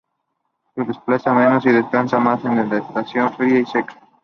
Se desplaza menos y descansa más en la estación fría y seca.